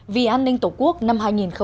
vì an ninh tổ quốc năm hai nghìn một mươi chín